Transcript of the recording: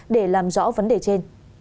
để làm rõ vấn đề trên